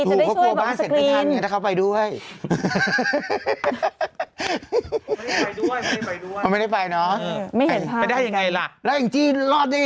เขากลัวบ้านเสร็จไม่ทันไงถ้าเขาไปด้วย